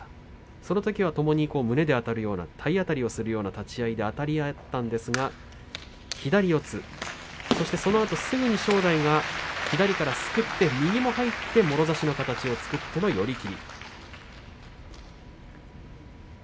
そのときはともに胸であたるような体当たりするような立ち合いであたり合ったんですが左四つ、そのあとすぐに正代が左からすくって右も入ってもろ差しの形を作っての寄り切り。